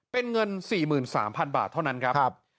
เป็นเงิน๔๓๐๐๐บาทเท่านั้นครับ